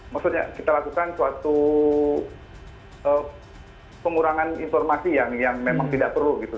maksudnya kita lakukan suatu pengurangan informasi yang memang tidak perlu gitu